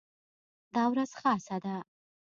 دا ورځ خاصه ده.